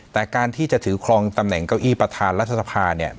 แต่การที่จะถือครองตำแหน่งเก้าอี้ประธานรัฐสภาเนี่ย